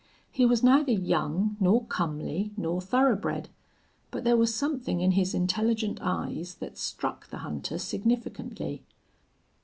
He was neither young nor comely nor thoroughbred, but there was something in his intelligent eyes that struck the hunter significantly.